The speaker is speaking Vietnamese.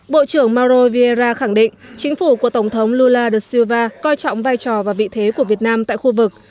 bộ trưởng mauro vieira khẳng định chính phủ của tổng thống lula da silva coi trọng vai trò và vị thế của việt nam tại khu vực